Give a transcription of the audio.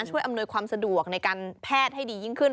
อำนวยความสะดวกในการแพทย์ให้ดียิ่งขึ้น